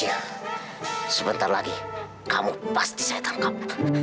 ayo saskia masuk ke dalam